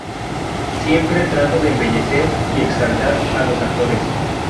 Siempre trato de embellecer y exaltar a los actores.